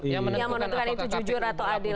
yang menentukan itu jujur atau adil